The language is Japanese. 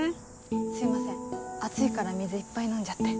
すいません暑いから水いっぱい飲んじゃって。